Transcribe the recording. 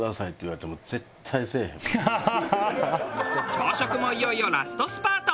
朝食もいよいよラストスパート。